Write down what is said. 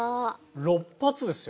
６発ですよ。